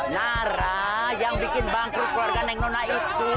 nara yang bikin bangku keluarga neng nona itu